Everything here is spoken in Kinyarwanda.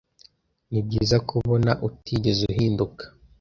Nibyiza kubona utigeze uhinduka.